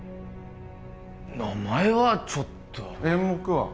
名前はちょっと演目は？